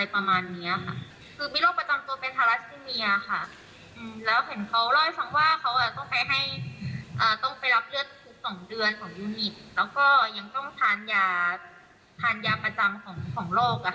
ผิดหมิตแล้วก็ยังต้องทานยาภาคประจำของโรค